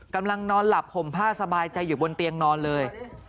กำลังนอนหลับห่มผ้าสบายใจอยู่บนเตียงนอนเลย